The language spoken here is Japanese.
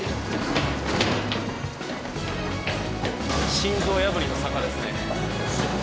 心臓破りの坂ですね。